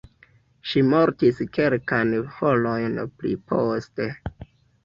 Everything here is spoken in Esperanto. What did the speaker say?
Ŝi mortis kelkajn horojn pli poste.